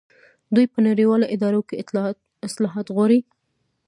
دوی په نړیوالو ادارو کې اصلاحات غواړي.